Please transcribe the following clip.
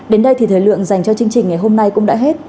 đến đây thì thời lượng dành cho chương trình ngày hôm nay cũng đã hết